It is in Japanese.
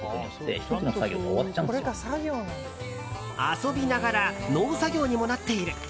遊びながら農作業にもなっている。